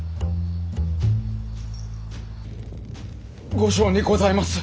後生にございます！